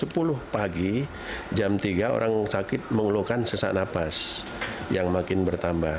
pukul sepuluh pagi jam tiga orang sakit mengeluhkan sesak nafas yang makin bertambah